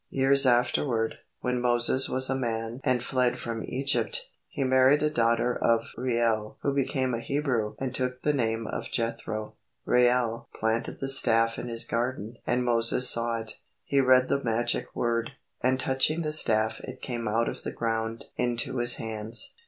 Years afterward, when Moses was a man and fled from Egypt, he married a daughter of Reuel who became a Hebrew and took the name of Jethro. Reuel planted the staff in his garden and Moses saw it. He read the magic word, and touching the staff it came out of the ground into his hands.